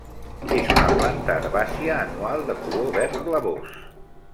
És una planta herbàcia anual de color verd blavós.